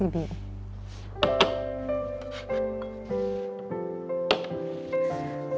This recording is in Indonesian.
terima kasih bibi